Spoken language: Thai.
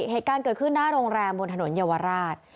เหตุการณ์เกิดขึ้นหน้าโรงแรมบนถนนเยาวราช